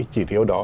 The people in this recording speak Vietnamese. chỉ thiếu đó